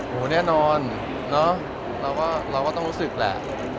โอ้โหแน่นอนเนอะเราก็ต้องรู้สึกแหละ